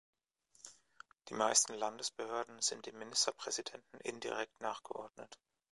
Die meisten Landesbehörden sind dem Ministerpräsidenten indirekt nachgeordnet.